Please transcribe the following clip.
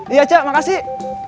iya cak makasih